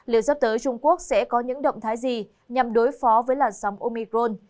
liệu sắp tới trung quốc sẽ có những động thái gì nhằm đối phó với làn sóng omicron